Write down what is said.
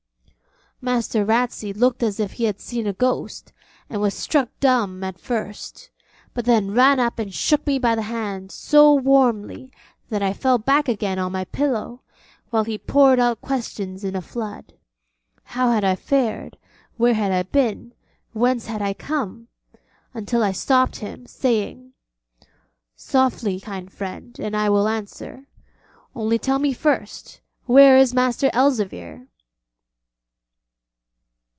Master Ratsey looked as if he had seen a ghost, and was struck dumb at first: but then ran up and shook me by the hand so warmly that I fell back again on my pillow, while he poured out questions in a flood. How had I fared, where had I been, whence had I come? until I stopped him, saying: 'Softly, kind friend, and I will answer; only tell me first, where is Master Elzevir?'